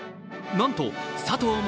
なんと佐藤志